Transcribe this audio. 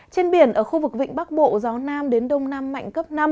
trên biển ở khu vực vịnh bắc bộ gió nam đến đông nam mạnh cấp năm